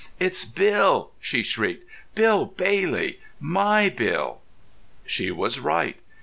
"It's Bill!" she shrieked. "Bill Bailey! My Bill!" She was right.